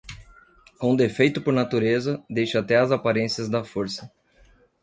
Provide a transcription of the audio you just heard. Com defeito por natureza, deixa até as aparências da força.